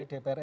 dari dpr ri